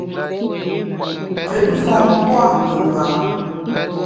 Ntùt mfon pua’ ngùnga.